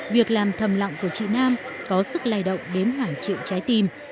việc làm thầm lọng của chị nam có sức lay động đến hoảng trịu trái tim